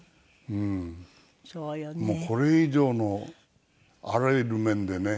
もうこれ以上のあらゆる面でね